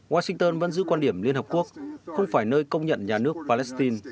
washington vẫn giữ quan điểm liên hợp quốc không phải nơi công nhận nhà nước palestine